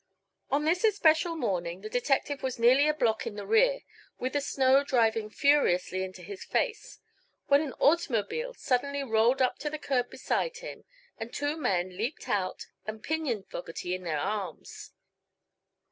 On this especial morning the detective was nearly a block in the rear, with the snow driving furiously into his face, when an automobile suddenly rolled up to the curb beside him and two men leaped out and pinioned Fogerty in their arms.